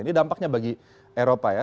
ini dampaknya bagi eropa ya